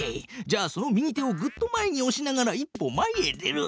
じゃあその右手をぐっと前におしながら一歩前へ出る。